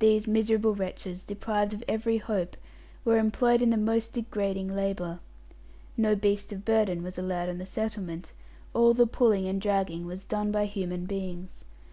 These miserable wretches, deprived of every hope, were employed in the most degrading labour. No beast of burden was allowed on the settlement; all the pulling and dragging was done by human beings.